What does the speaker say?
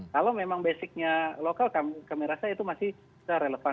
kalau memang basic nya lokal kami rasa itu masih sudah relevan